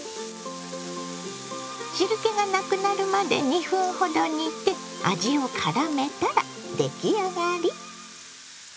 汁けがなくなるまで２分ほど煮て味をからめたら出来上がり。